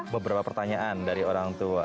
beberapa pertanyaan dari orang tua